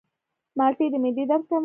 مالټې د معدې درد کموي.